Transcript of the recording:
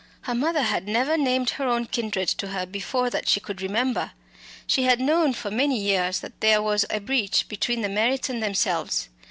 Her mother had never named her own kindred to her before that she could remember. She had known for many years that there was a breach between the Merritts and themselves.